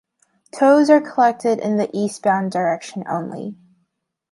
Tolls are collected in the eastbound direction only.